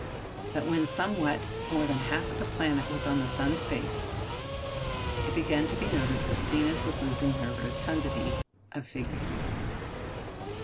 But when somewhat more than half of the planet was on the sun's face, it began to be noticed that Venus was losing her rotundity of figure.